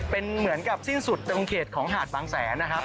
เป็นเหมือนกับสิ้นสุดตรงเขตของหาดบางแสนนะครับ